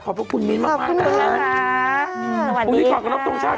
ขอบคุณมิ้นมากกันแล้วนะครับพรุ่งนี้ก่อนก็รบตรงชาติ